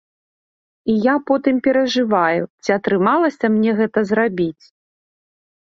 І я потым перажываю, ці атрымалася мне гэта зрабіць.